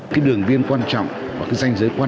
cái đường viên quan trọng và cái danh dự